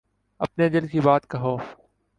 اپنے دل کی بات کہو۔